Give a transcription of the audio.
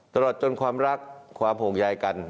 ตลอดจนความรักความห่วงใยกัน